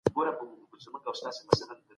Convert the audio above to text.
فردي هڅي باید وستایل سي.